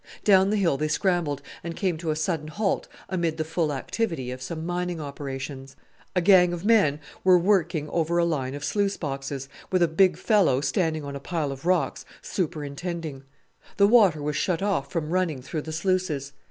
Down the hill they scrambled, and came to a sudden halt amid the full activity of some mining operations. A gang of men were working over a line of sluice boxes, with a big fellow, standing on a pile of rocks, superintending. The water was shut off from running through the sluices.